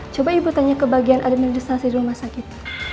coba ibu tanya ke bagian administrasi di rumah sakit